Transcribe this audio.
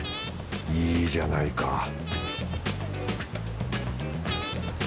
いいじゃないか